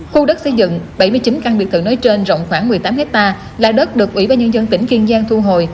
khu đất xây dựng bảy mươi chín căn biệt thự nơi trên rộng khoảng một mươi tám hectare là đất được ủy ban nhân dân tỉnh kiên giang thu hồi